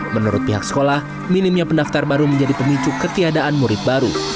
menurut pihak sekolah minimnya pendaftar baru menjadi pemicu ketiadaan murid baru